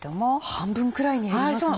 半分くらいに減りますね。